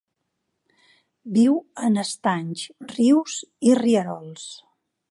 Viu en estanys, rius i rierols.